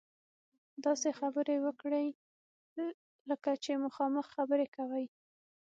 داسې خبرې وکړئ لکه چې مخامخ خبرې کوئ.